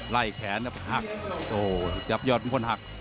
ไล่แขนครับหักโอ้จับยอดพวกนี้หัก